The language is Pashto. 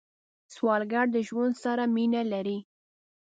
سوالګر د ژوند سره مینه لري